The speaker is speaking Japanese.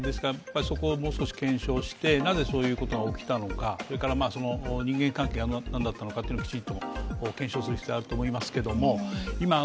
そこをもう少し検証して、なぜそういうことが起きたのか、それから人間関係が何だったのかきちんと検証する必要があると思います。